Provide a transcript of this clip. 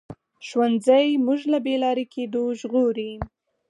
ښوونځی موږ له بې لارې کېدو ژغوري